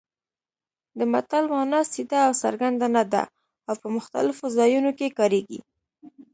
د متل مانا سیده او څرګنده نه ده او په مختلفو ځایونو کې کارېږي